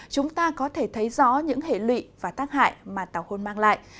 chúng ta có thể thấy rõ những hệ lụy và tác hại mà tàu hôn mang lại